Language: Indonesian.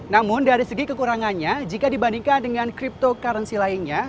namun dari segi kekurangannya jika dibandingkan dengan cryptocurrency lainnya